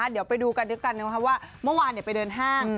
เดี๋ยวไปดูกันด้วยกันว่าเมื่อวานไปเดินห้าง